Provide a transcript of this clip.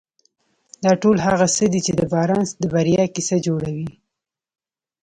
دا ټول هغه څه دي چې د بارنس د بريا کيسه جوړوي.